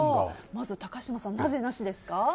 まず、高嶋さんなぜなしですか？